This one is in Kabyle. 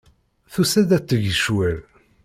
Tusa-d ad teg ccwal.